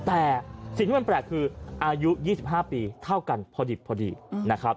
แต่สิ่งที่มันแปลกคืออายุ๒๕ปีเท่ากันพอดิบพอดีนะครับ